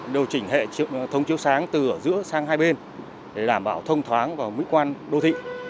điều chỉnh hệ thống chiếu sáng từ giữa sang hai bên để đảm bảo thông thoáng và mỹ quan đô thị